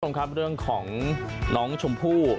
รายละครับเรื่องของน้องชมพู